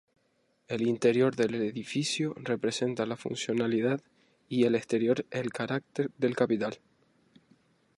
El interior del edificio representa la funcionalidad y el exterior el carácter del capital.